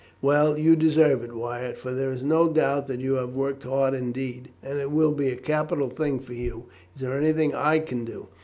"Well, you deserve it, Wyatt; for there is no doubt that you have worked hard indeed; and it will be a capital thing for you. Is there anything I can do?"